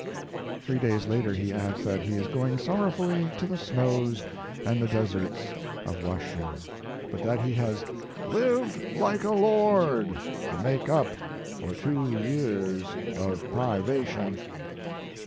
Three days later he adds that he is going sorrowfully "to the snows and the deserts of Washoe," but that he has "lived like a lord to make up for two years of privation."